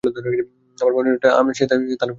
আমার মনে হয় না, সে তার সাথে খুব বেশি দূর যেতে পারত।